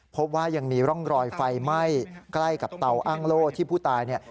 พบว่ายังมีร่องรอยไฟไหม้ใกล้กับเตาอ้างโล่ที่ผู้ตายเนี่ย